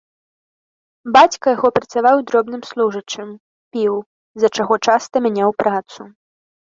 Бацька яго працаваў дробным служачым, піў, з-за чаго часта мяняў працу.